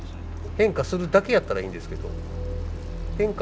変化するだけやったらいいんですけど変化